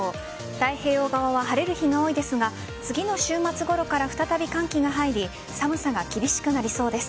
太平洋側は晴れる日が多いですが次の週末ごろから再び寒気が入り寒さが厳しくなりそうです。